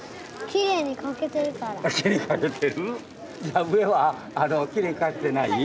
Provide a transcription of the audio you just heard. きれいに描けてない？